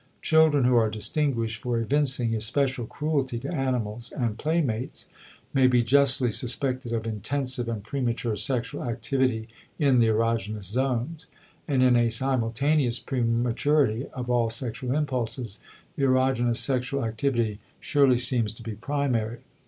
Children who are distinguished for evincing especial cruelty to animals and playmates may be justly suspected of intensive and premature sexual activity in the erogenous zones; and in a simultaneous prematurity of all sexual impulses, the erogenous sexual activity surely seems to be primary.